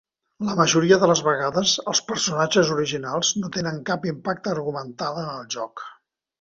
La majoria de les vegades, els personatges originals no tenen cap impacte argumental en el joc.